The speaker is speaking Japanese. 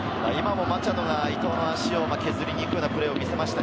マチャドが伊東の足を削りにくいようなプレーを見せました。